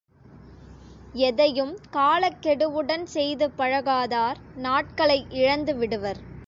எதையும் காலக் கெடுவுடன் செய்து பழகாதார் நாட்களை இழந்துவிடுவர்.